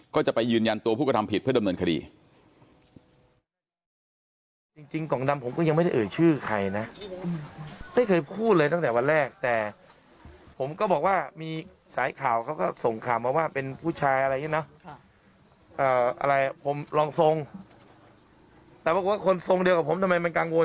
ก็จะไปยืนยันตัวผู้กระทำผิดเพื่อดำเนินคดี